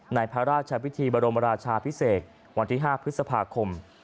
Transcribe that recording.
ในพระราชพิธีบรมราชาพิเศษวันที่๕พฤษภาคม